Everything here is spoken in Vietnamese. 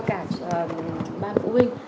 với cả ban phụ huynh